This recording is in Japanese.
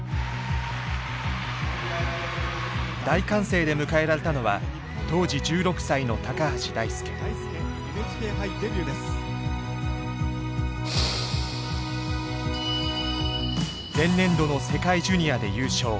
大歓声で迎えられたのは前年度の世界ジュニアで優勝。